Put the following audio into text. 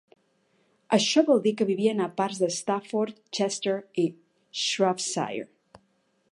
Això vol dir que vivien a parts de Stafford, Chester i Shropshire.